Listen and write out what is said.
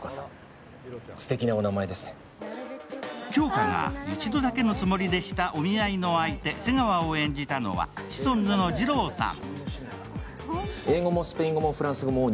杏花が一度だけのつもりでしたお見合いの相手、瀬川を演じたのはシソンヌのじろうさん。